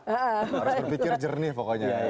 harus berpikir jernih pokoknya